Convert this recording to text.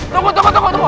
tunggu tunggu tunggu